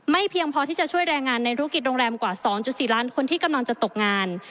เพียงพอที่จะช่วยแรงงานในธุรกิจโรงแรมกว่า๒๔ล้านคนที่กำลังจะตกงาน